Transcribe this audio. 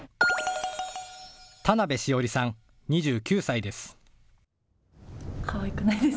田鍋栞さん、２９歳です。